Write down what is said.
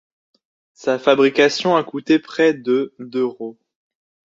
Sa fabrication a couté près de d'euros.